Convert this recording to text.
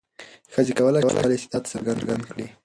ښځې کولای شي خپل استعداد څرګند کړي.